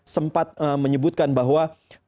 sempat menyebutkan bahwa